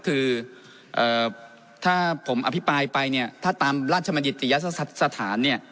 คือถ้าผมอภิปรายไปเนี่ยถ้าตามราชมิตติยสถานเนี่ย